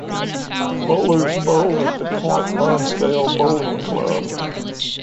Bowlers bowl at the Point Lonsdale Bowling Club.